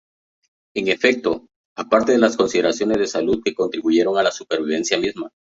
En efecto, aparte de las consideraciones de salud que contribuyeron a la supervivencia misma.